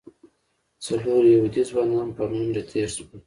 څلور یهودي ځوانان په منډه تېر شول.